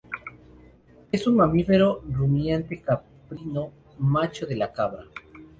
Es un mamífero rumiante caprino, macho de la cabra.